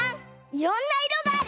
「いろんないろがある」。